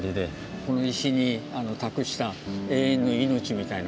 この石に託した永遠の命みたいなもの